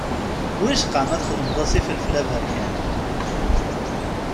Wicqa ma txedmem-as ifelfel aberkan.